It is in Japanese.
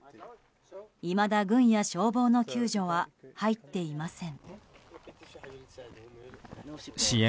いまだ軍や消防の救助は入っていません。